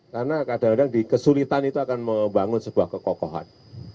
karena kadang kadang di kesulitan itu akan membangun sebuah kekokohan